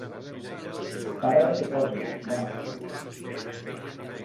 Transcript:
Para de fer coses, va.